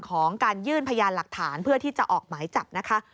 ของการยื่นพยานหลักฐานเพื่อที่จะออกหมายจับนะคะ